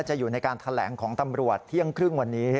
จะอยู่ในการแถลงของตำรวจเที่ยงครึ่งวันนี้